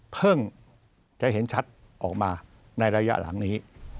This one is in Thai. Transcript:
เพิ่งจะเห็นชัดออกมาในระยะหลังนี้